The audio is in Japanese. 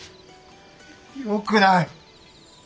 よくない。